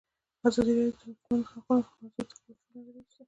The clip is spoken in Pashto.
ازادي راډیو د د ماشومانو حقونه موضوع تر پوښښ لاندې راوستې.